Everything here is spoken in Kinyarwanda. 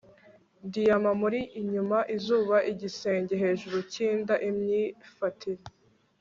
diyama-muri-inyuma, izuba-igisenge hejuru kinda imyifatire